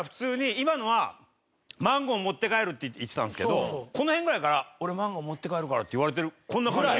今のは「マンゴー持って帰る」って言ってたんですけどこの辺ぐらいから「俺マンゴー持って帰るから」って言われてるこんな感じ。